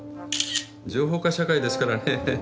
情報化社会ですからね。